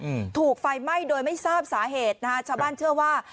อืมถูกไฟไหม้โดยไม่ทราบสาเหตุนะฮะชาวบ้านเชื่อว่า